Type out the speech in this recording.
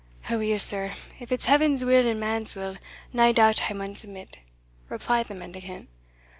"Aweel, sir, if it's Heaven's will and man's will, nae doubt I maun submit," replied the mendicant.